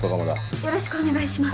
よろしくお願いします。